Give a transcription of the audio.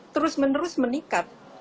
terus menerus meningkat